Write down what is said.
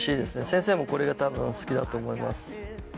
先生もこれが多分好きだと思います。